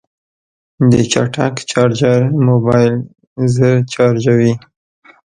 د چټک چارجر موبایل ژر چارجوي.